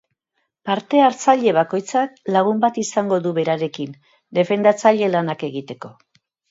Parte hartzaile bakoitzak lagun bat izango du berarekin, defendatzaile lanak egiteko.